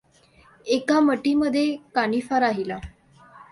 एका मठीमध्यें कानिफा राहिला.